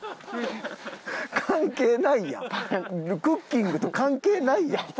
クッキングと関係ないやん！